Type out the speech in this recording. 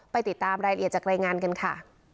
ติดตามรายละเอียดจากรายงานกันค่ะ